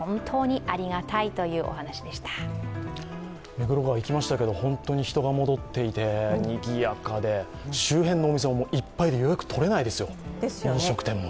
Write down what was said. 目黒川、行きましたけど本当に人が戻っていてにぎやかで周辺のお店もいっぱいで予約取れないですよ、飲食店も。